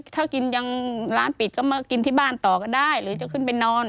ถ้ากินยังร้านปิดก็มากินที่บ้านต่อก็ได้หรือจะขึ้นไปนอน